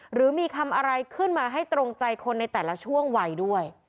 หรือมีคำอะไรขึ้นมาให้ตรงใจคนในแต่ละช่วงวัยด้วย